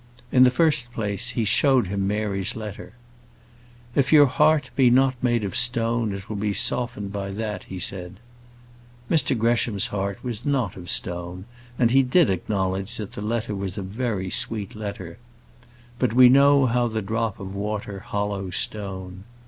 In the first place, he showed him Mary's letter. "If your heart be not made of stone it will be softened by that," he said. Mr Gresham's heart was not of stone, and he did acknowledge that the letter was a very sweet letter. But we know how the drop of water hollows stone.